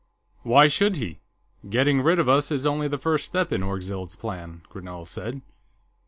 "Why should he? Getting rid of us is only the first step in Orgzild's plan," Grinell said.